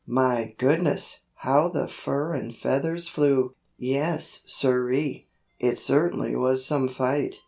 My goodness, how the fur and feathers flew! Yes, siree! It certainly was some fight.